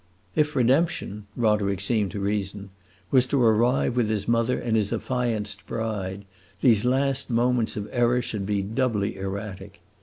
If redemption Roderick seemed to reason was to arrive with his mother and his affianced bride, these last moments of error should be doubly erratic.